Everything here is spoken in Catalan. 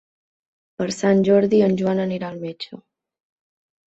Per Sant Jordi en Joan anirà al metge.